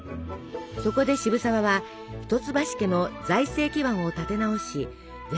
そこで渋沢は一橋家の財政基盤を立て直し絶大な信頼を得ます。